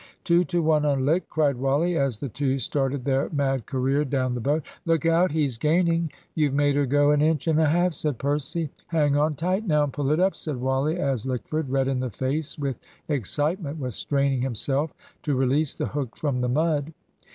"Two to one on Lick," cried Wally, as the two started their mad career down the boat. "Look out! he's gaining." "You've made her go an inch and a half," said Percy. "Hang on tight now, and pull it up," said Wally, as Lickford, red in the face with excitement, was straining himself to release the hook from the mud.